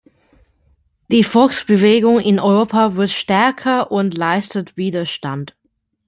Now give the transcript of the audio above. Die Volksbewegung in Europa wird stärker und leistet Widerstand.